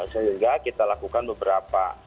sehingga kita lakukan beberapa